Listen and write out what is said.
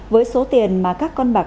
với số tiền mà các con bạc